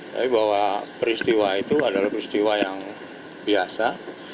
tapi bahwa peristiwa itu adalah peristiwa yang biasa